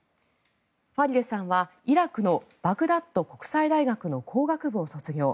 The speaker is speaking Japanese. ファリデさんはイラクのバグダッド国際大学の工学部を卒業。